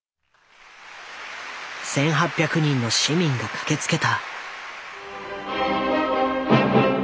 １，８００人の市民が駆けつけた。